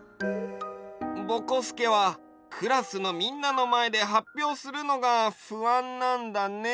ぼこすけはクラスのみんなのまえではっぴょうするのがふあんなんだね。